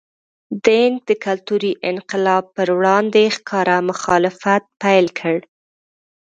دینګ د کلتوري انقلاب پر وړاندې ښکاره مخالفت پیل کړ.